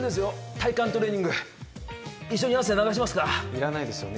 体幹トレーニング一緒に汗流しますかいらないですよね